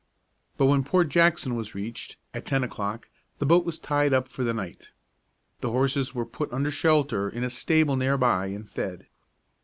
But when Port Jackson was reached, at ten o'clock, the boat was tied up for the night. The horses were put under shelter in a stable near by, and fed.